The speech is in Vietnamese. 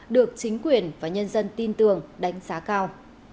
được chính quyền và nhân dân tin tưởng đánh giá cao